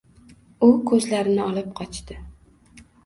U ko‘zlarini olib qochdi.